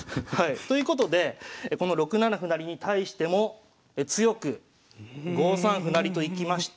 ということでこの６七歩成に対しても強く５三歩成といきまして。